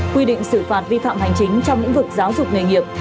quy định xử phạt vi phạm hành chính trong lĩnh vực giáo dục nghề nghiệp